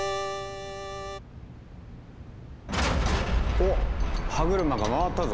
お歯車が回ったぞ。